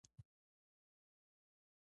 ګیدړه ډیره چالاکه ده